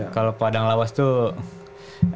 kalau padang lawas tuh